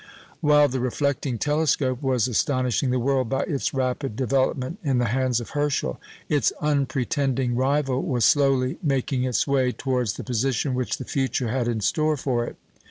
While the reflecting telescope was astonishing the world by its rapid development in the hands of Herschel, its unpretending rival was slowly making its way towards the position which the future had in store for it.